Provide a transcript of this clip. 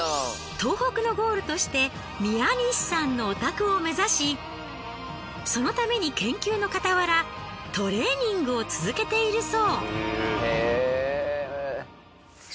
東北のゴールとして宮西さんのお宅を目指しそのために研究の傍らトレーニングを続けているそう。